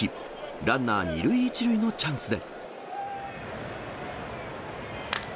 ランナー２塁１塁のチャンスで。